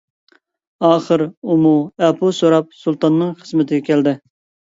ئاخىر ئۇمۇ ئەپۇ سوراپ سۇلتاننىڭ خىزمىتىگە كەلدى.